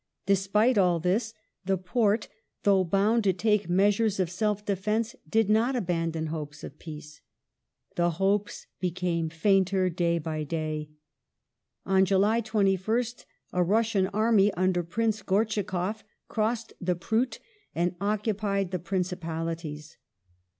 Despite all this, the Porte, though bound to take measures of self defence, did not abandon hopes of peace. The hopes became fainter day by day. On July 21st a Russian Palmer army under Prince Gortschakoff crossed the Pruth and occupied ^^°?'^ DOllCV the Principalities.